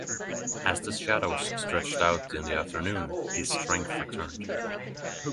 As the shadow stretched out in the afternoon, his strength returned.